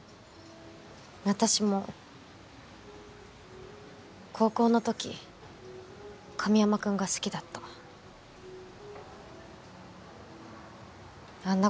私も高校の時神山くんが好きだったあんな